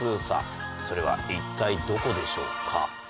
さぁそれは一体どこでしょうか？